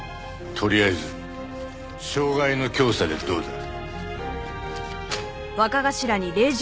とりあえず傷害の教唆でどうだ？